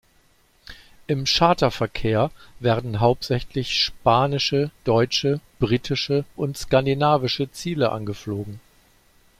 Im Charterverkehr werden hauptsächlich spanische, deutsche, britische und skandinavische Ziele angeflogen.